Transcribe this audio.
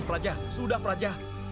raja sudah raja